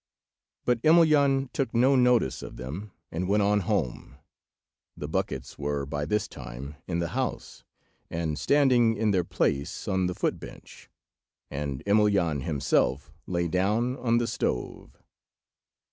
But Emelyan took no notice of them, and went on home. The buckets were by this time in the house, and standing in their place on the foot bench, and Emelyan himself lay down on the stove.